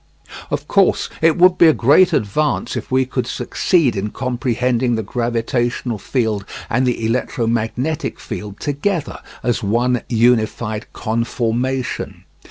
Of course it would be a great advance if we could succeed in comprehending the gravitational field and the electromagnetic field together as one unified conformation.